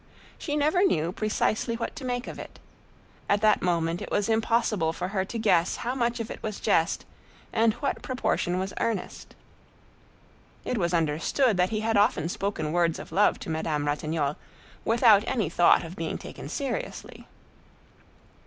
She never knew precisely what to make of it; at that moment it was impossible for her to guess how much of it was jest and what proportion was earnest. It was understood that he had often spoken words of love to Madame Ratignolle, without any thought of being taken seriously.